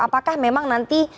apakah memang nanti